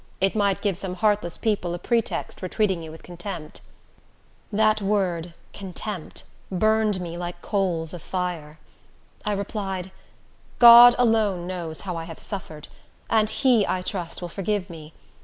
It might give some heartless people a pretext for treating you with contempt." That word contempt burned me like coals of fire. I replied, "God alone knows how I have suffered; and He, I trust, will forgive me.